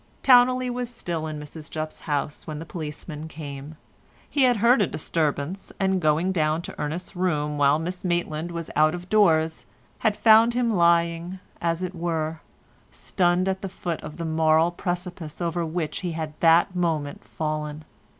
Towneley was still in Mrs Jupp's house when the policeman came. He had heard a disturbance, and going down to Ernest's room while Miss Maitland was out of doors, had found him lying, as it were, stunned at the foot of the moral precipice over which he had that moment fallen.